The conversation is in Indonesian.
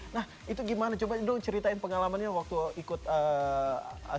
nah itu gimana coba dulu ceritain pengalamannya waktu ikut sea games